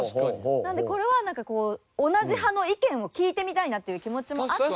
なのでこれはなんか同じ派の意見を聞いてみたいなっていう気持ちもあって。